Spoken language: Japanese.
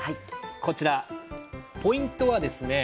こちらポイントはですね